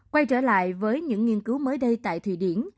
quay trở lại với những nghiên cứu mới đây tại thụy điển